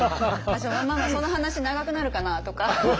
「ママその話長くなるかな？」とか。